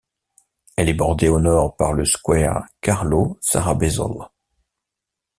Elle est bordée au nord par le square Carlo-Sarrabezolles.